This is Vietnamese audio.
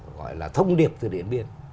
gọi là thông điệp từ điện biên